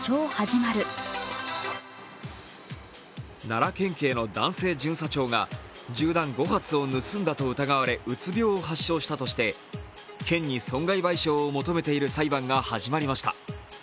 奈良県警の男性巡査長が銃弾５発を盗んだと疑われうつ病を発症したとして県に損害賠償を求めている裁判が始まりました。